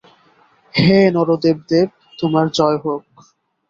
হে নরদেব দেব! তোমার জয় হউক।